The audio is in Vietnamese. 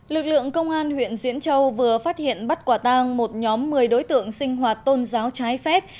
lực lượng công an huyện diễn châu vừa phát hiện bắt quả tang một nhóm một mươi đối tượng sinh hoạt tôn giáo trái phép